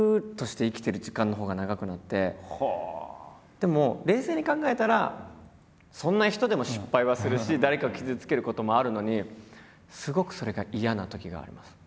でも冷静に考えたらそんな人でも失敗はするし誰かを傷つけることもあるのにすごくそれが嫌なときがあります。